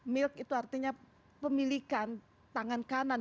milk itu artinya pemilikan tangan kanan